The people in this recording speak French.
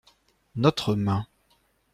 Notre main.